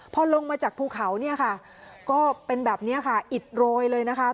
พอลงมาจากภูเขาเนี่ยค่ะก็เป็นแบบนี้ค่ะอิดโรยเลยนะคะ